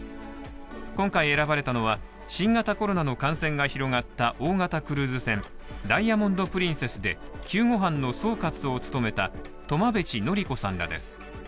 今回選ばれたのは新型コロナの感染が広がった大型クルーズ船「ダイヤモンド・プリンセス」で救護班の総括を務めた苫米地則子さんらです。